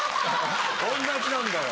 おんなじなんだよ。